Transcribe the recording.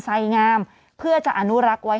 ใส่งามเพื่อจะอนุรักษ์ไว้